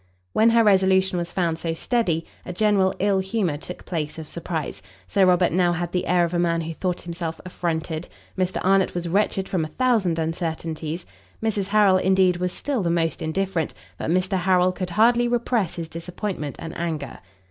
When her resolution was found so steady, a general ill humour took place of surprise: Sir Robert now had the air of a man who thought himself affronted; Mr Arnott was wretched from a thousand uncertainties; Mrs Harrel, indeed, was still the most indifferent; but Mr Harrel could hardly repress his disappointment and anger.